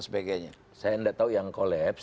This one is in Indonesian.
dan sebagainya saya nggak tau yang kolaps